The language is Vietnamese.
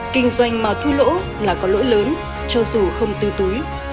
kinh doanh mà thu lỗ là có lỗi lớn cho dù không tư túi